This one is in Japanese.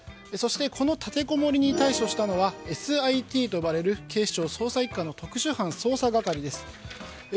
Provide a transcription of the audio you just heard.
この立てこもりに対処したＳＩＴと呼ばれる警視庁捜査１課の特殊班捜査係です。